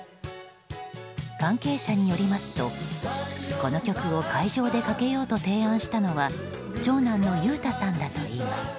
関係者によりますとこの曲を会場で、かけようと提案したのは長男の裕太さんだといいます。